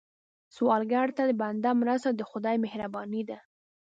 سوالګر ته بنده مرسته، د خدای مهرباني ده